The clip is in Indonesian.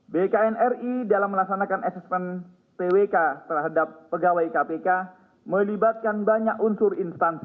bknri dalam melaksanakan asesmen twk terhadap pegawai kpk melibatkan banyak unsur instansi